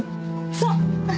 そう！